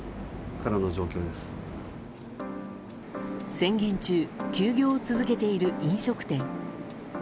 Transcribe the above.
宣言中休業を続けている飲食店。